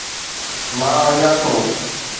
مان وڃان ٿو